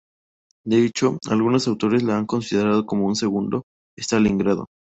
De hecho, algunos autores la han considerado como un "segundo Stalingrado".